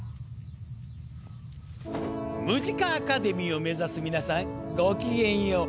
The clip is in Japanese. ムジカ・アカデミーを目指す皆さんご機嫌よう。